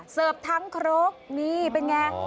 เสิร์ฟทั้งครกนี่เป็นไง